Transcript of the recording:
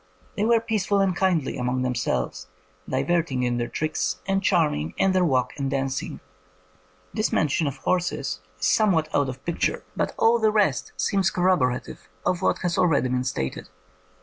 ... They were peaceful and kindly among them selves, diverting in their tricks, and charm ing in their walk and dancing. '' This men tion of horses is somewhat out of the picture, ,144 o c > INDEPENDENT EVIDENCE FOR FAIRIES but all the rest seems corroborative of what has already been stated.